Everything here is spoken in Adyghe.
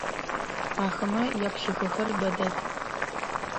Ахэмэ яплъыхэрэр бэ дэд.